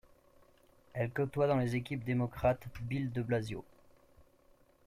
Elle côtoie dans les équipes démocrates Bill de Blasio.